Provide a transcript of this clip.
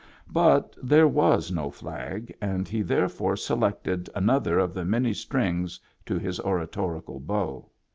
But there was no flag, and he therefore selected another of the many strings to his oratorical bow.